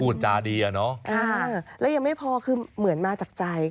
จาดีอ่ะเนาะแล้วยังไม่พอคือเหมือนมาจากใจ